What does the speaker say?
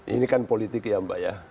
ini kan politik ya mbak ya